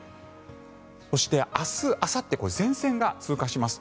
そして明日あさって前線が通過します。